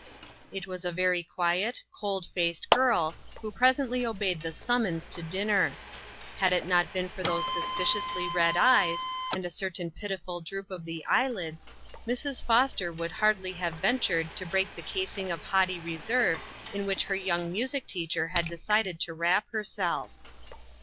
IT was a very quiet, cold faced girl who presently obeyed the summons to din ner. Had it not been for those suspiciously red eyes, and a certain pitiful droop of the eyelids, Mrs. Foster would hardly have ven tured to break the casing of haughty re serve in which her young music teacher had decided to wrap herself.